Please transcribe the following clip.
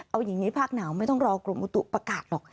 เอาอย่างนี้ภาคหนาวไม่ต้องรอกรมอุตุประกาศหรอก